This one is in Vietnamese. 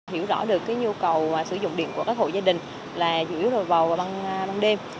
hiểu rõ được nhu cầu sử dụng điện của các hội gia đình là dự yếu vào băng đêm